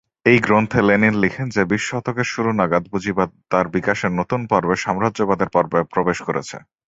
এই গ্রন্থে লেনিন লিখেন যে বিশ শতকের শুরু নাগাদ পুঁজিবাদ তার বিকাশের নতুন পর্বে, সাম্রাজ্যবাদের পর্বে প্রবেশ করেছে।